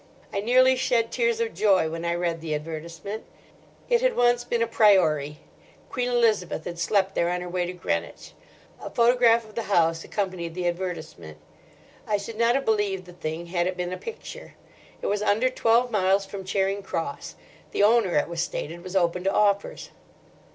I nearly shed tears of joy when I read the advertisement. It had once been a priory. Queen Elizabeth had slept there on her way to Greenwich. A photograph of the house accompanied the advertisement. I should not have believed the thing had it been a picture. It was under twelve miles from Charing Cross. The owner, it was stated, was open to offers."